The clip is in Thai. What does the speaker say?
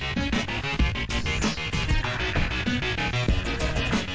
ทรัพย์